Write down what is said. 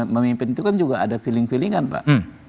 memimpin itu kan juga ada feeling feeling kan pak